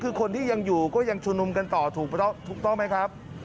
คือคนที่ยังอยู่ก็ยังชุมนุมกันต่อถูกต้องไหมครับ